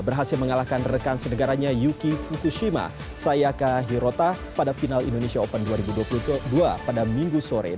berhasil mengalahkan rekan senegaranya yuki fukushima sayaka hirota pada final indonesia open dua ribu dua puluh dua pada minggu sore